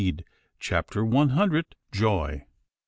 CHAPTER ONE HUNDRED. JOY.